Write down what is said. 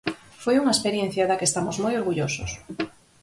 Foi unha experiencia da que estamos moi orgullosos.